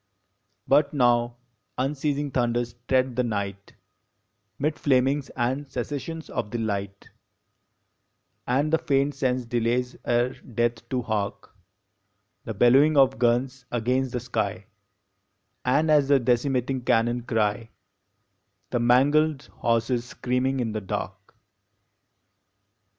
But now unceasing thunders tread the night, Mid flamings and cessations of the light, And the faint sense delays ere death to hark The bellowing of guns against the sky, And, as the decimating cannon cry, The mangled horses screaming in the dark.